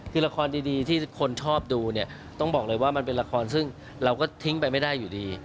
คือละครดีที่คนชอบดูเนี่ยต้องบอกเลยว่ามันเป็นละครซึ่งเราก็ทิ้งไปไม่ได้อยู่ดี